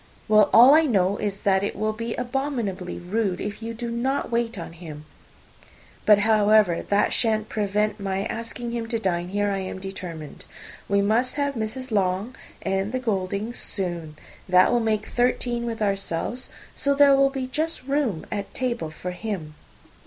"Well, all I know is, that it will be abominably rude if you do not wait on him. But, however, that shan't prevent my asking him to dine here, I am determined. We must have Mrs. Long and the Gouldings soon. That will make thirteen with ourselves, so there will be just room at table for him."